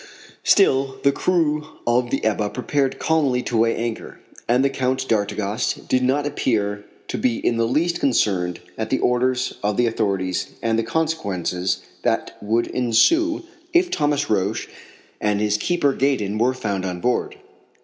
Still the crew of the Ebba prepared calmly to weigh anchor, and the Count d'Artigas did not appear to be in the least concerned at the orders of the authorities and at the consequences that would ensue, if Thomas Roch and his keeper, Gaydon, were found on board.